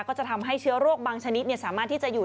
ก็จะทำให้เชื้อโรคบางชนิดสามารถที่จะอยู่